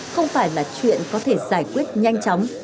không phải là chuyện có thể giải quyết nhanh chóng